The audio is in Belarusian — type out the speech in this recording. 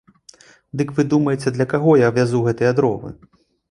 Дык вы думаеце, для каго я вязу гэтыя дровы?